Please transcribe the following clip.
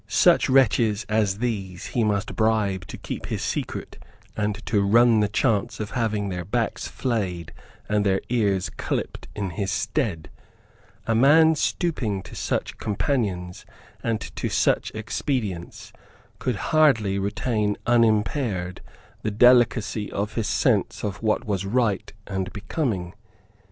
Such wretches as these he must bribe to keep his secret and to run the chance of having their backs flayed and their ears clipped in his stead. A man stooping to such companions and to such expedients could hardly retain unimpaired the delicacy of his sense of what was right and becoming.